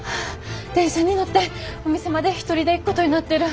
電車に乗ってお店まで一人で行くことになってる。